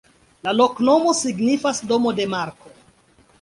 La loknomo signifas: domo de Marko.